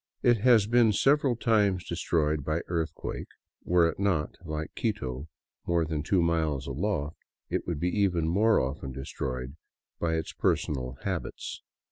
It has been several times destroyed by earthquake ; were it not, like Quito, more than two miles aloft, it would be even more often destroyed by its personal habits.